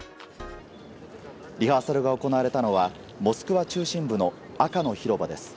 リハーサルが行われたのはモスクワ中心部の赤の広場です。